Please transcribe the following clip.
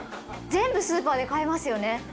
全部スーパーで買えますよね。